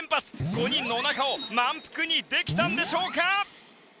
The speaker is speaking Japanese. ５人のおなかを満腹にできたんでしょうか？